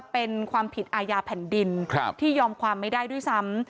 เป็นความผิดอาญาแผ่นดินที่ยอมความไม่ได้ด้วยซ้ำ